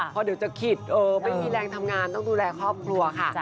เพราะเดี๋ยวจะคิดไม่มีแรงทำงานต้องดูแลครอบครัวค่ะ